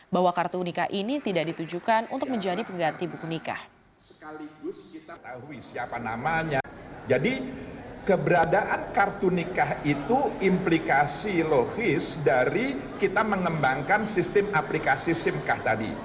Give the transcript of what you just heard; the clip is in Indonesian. bahwa kartu nikah ini tidak ditujukan untuk menjadi pengganti buku nikah